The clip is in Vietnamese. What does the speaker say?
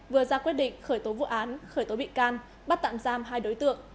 vừa ra quyết định khởi tố vụ án khởi tố bị can bắt tạm giam hai đối tượng